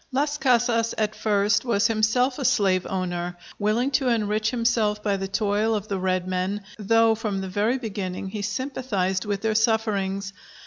Las Casas at first was himself a slave owner, willing to enrich himself by the toil of the red men, though from the very beginning he sympathized with their sufferings.